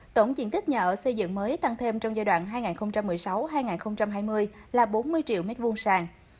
tổng diện tích nhà ở xây dựng mới tăng thêm trong giai đoạn hai nghìn một mươi sáu hai nghìn hai mươi là bốn mươi triệu m hai sàng